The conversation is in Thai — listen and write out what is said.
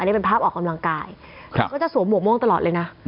นี่เป็นภาพออกกำลังกายก็จะสวมหวกม่วงตลอดเลยนะ